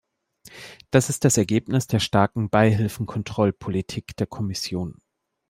Das ist das Ergebnis der starken Beihilfenkontrollpolitik der Kommission.